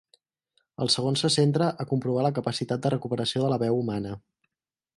El segon se centra a comprovar la capacitat de recuperació de la veu humana.